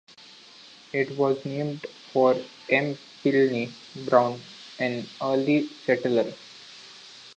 It was named for M. Pliny Brown, an early settler.